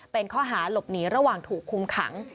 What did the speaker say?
เป็นข้อหาหลบหนีระหว่างถูกคุมขัง